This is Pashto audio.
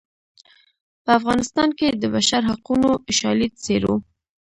په افغانستان کې د بشر حقونو شالید څیړو.